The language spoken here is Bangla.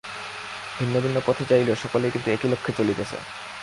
ভিন্ন ভিন্ন পথে যাইলেও সকলেই কিন্তু একই লক্ষ্যে চলিতেছে।